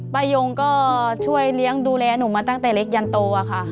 ยงก็ช่วยเลี้ยงดูแลหนูมาตั้งแต่เล็กยันโตค่ะ